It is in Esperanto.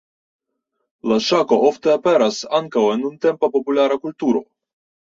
La ŝako ofte aperas ankaŭ en nuntempa populara kulturo.